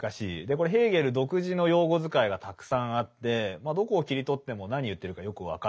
これヘーゲル独自の用語遣いがたくさんあってどこを切り取っても何言ってるかよく分からない。